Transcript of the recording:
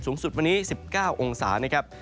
สูงสุดวันนี้๑๙องศา